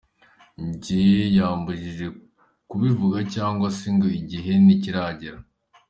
Ngo yambujije kubivuga cyangwa se ngo igihe ntikiragera.